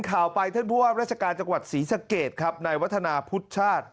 ข่าวไปท่านผู้ว่าราชการจังหวัดศรีสะเกดครับในวัฒนาพุทธชาติ